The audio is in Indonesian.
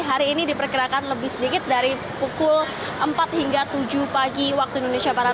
hari ini diperkirakan lebih sedikit dari pukul empat hingga tujuh pagi waktu indonesia barat